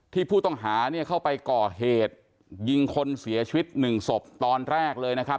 ผู้ต้องหาเนี่ยเข้าไปก่อเหตุยิงคนเสียชีวิตหนึ่งศพตอนแรกเลยนะครับ